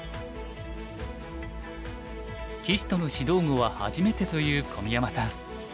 棋士との指導碁は初めてという小宮山さん。